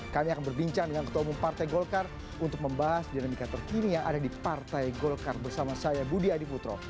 kami akan berbincang dengan ketua umum partai golkar untuk membahas dinamika terkini yang ada di partai golkar bersama saya budi adiputro